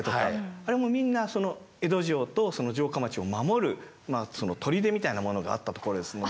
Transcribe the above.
あれもみんなその江戸城とその城下町を守る砦みたいなものがあった所ですので。